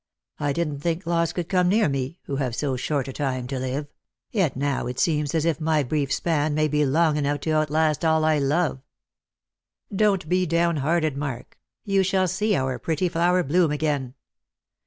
I didn't think loss could come near me, who have so short a time to live ; yet now it seems as if my brief span may be long enough to outlast all I love." " Don't be downhearted, Mark ; you shall see our pretty flower bloom again.